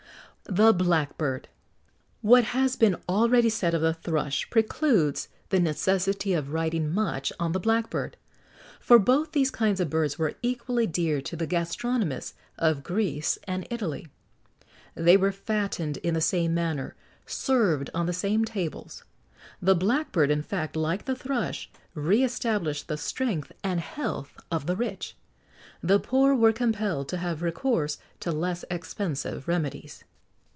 [XX 56] THE BLACKBIRD. What has been already said of the thrush precludes the necessity of writing much on the blackbird, for both these kinds of birds were equally dear to the gastronomists of Greece and Italy.[XX 57] They were fattened in the same manner,[XX 58] served on the same tables. The blackbird, in fact, like the thrush, re established the strength and health of the rich.[XX 59] The poor were compelled to have recourse to less expensive remedies.